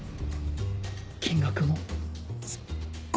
金額もすっごい高くて。